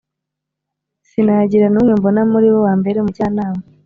sinagira n’umwe mbona muri bo, wambera umujyanama!